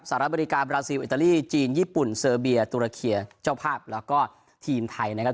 อเมริกาบราซิลอิตาลีจีนญี่ปุ่นเซอร์เบียตุรเคียเจ้าภาพแล้วก็ทีมไทยนะครับ